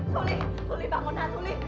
suli suli bangun mbak suli